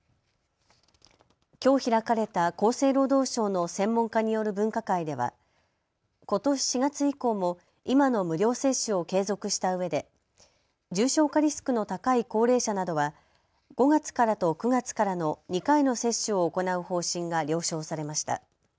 きょう開かれた厚生労働省の専門家による分科会ではことし４月以降も今の無料接種を継続したうえで重症化リスクの高い高齢者などは５月からと９月からの２回の接種を行う方針が了承されました。